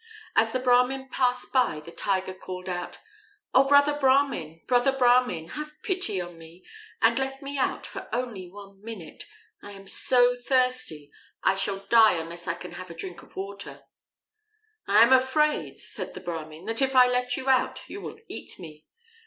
As the Brahmin passed by, the Tiger called out: "O brother Brahmin, brother Brahmin, have pity on me, and let me out for only one minute! I am so thirsty I shall die unless I can have a drink of water." "I am afraid," said the Brahmin, "that if I let you out you will eat me."